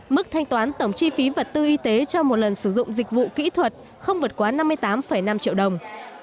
mức thanh toán tổng chi phí vật tư y tế cho một lần sử dụng dịch vụ kỹ thuật không vượt quá năm mươi tám năm triệu đồng